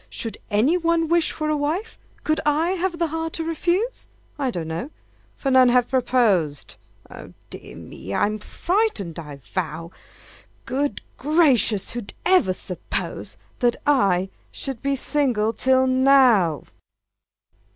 Should any one wish for a wife, Could I have the heart to refuse? I don't know for none have proposed Oh, dear me! I'm frightened, I vow! Good gracious! who ever supposed That I should be single till now?